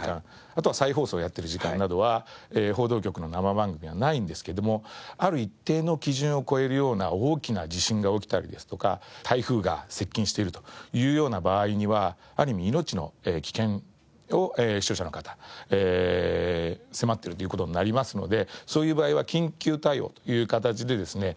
あとは再放送をやってる時間などは報道局の生番組はないんですけどもある一定の基準を超えるような大きな地震が起きたりですとか台風が接近しているというような場合にはある意味命の危険を視聴者の方迫っているという事になりますのでそういう場合は緊急対応という形でですね